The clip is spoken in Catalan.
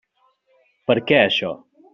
Per què, això?